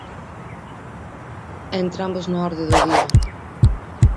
E entramos na orde do día.